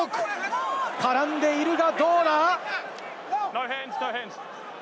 絡んでいるが、どうだ？